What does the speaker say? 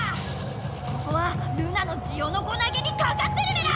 ここはルナのジオノコなげにかかってるメラ！